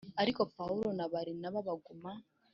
Ariko Pawulo na Barinaba baguma